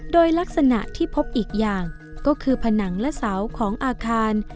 โดยลักษณะที่พบอีกอย่างก็คือผนังและเสาของอาคาร